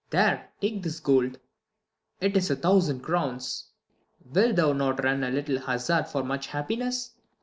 There, take this gold ! it is a thousand crowns. Wilt thou not run a little hazard for Much happiness